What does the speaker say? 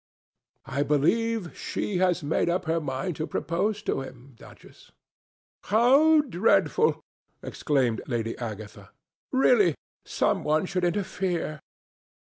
"I believe she has made up her mind to propose to him, Duchess." "How dreadful!" exclaimed Lady Agatha. "Really, some one should interfere."